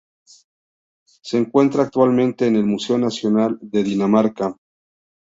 Se encuentra actualmente en el Museo Nacional de Dinamarca.